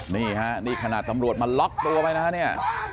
นี่ฮะนี่ขนาดตำรวจมาล็อกตัวไปนะฮะเนี่ย